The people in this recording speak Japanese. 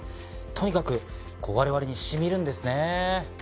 とにかく我々に染みるんですね。